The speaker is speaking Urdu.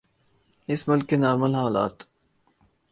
اس ملک کے نارمل حالات۔